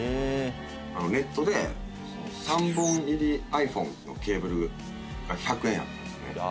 ネットで３本入りｉＰｈｏｎｅのケーブルが１００円やったんですね。